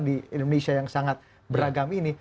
di indonesia yang sangat beragam ini